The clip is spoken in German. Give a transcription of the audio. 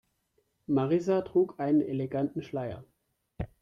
Marissa trug einen eleganten Schleier.